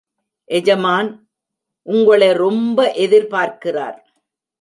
எஜமான் உங்களெ ரொம்ப எதிர்பார்க்கிறார்.